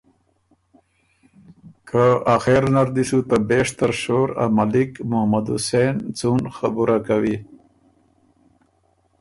که آخر نر دی سو ته بېشتر شور ا ملِک محمد حسېن څون خبره کوی